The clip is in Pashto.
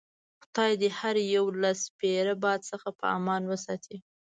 خدای دې هر یو له سپیره باد څخه په امان وساتي.